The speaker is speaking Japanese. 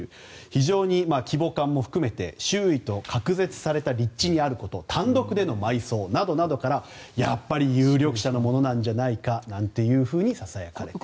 非常に規模感も含めて周囲と隔絶された立地にあること単独での埋葬などからやっぱり有力者のものではないかと有力視されている。